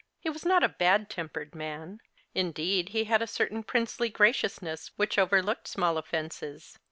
He was not a bad tem pered man — indeed, he had a certain princely graciousness which overlooked small offences.